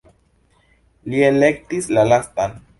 Li elektis la lastan.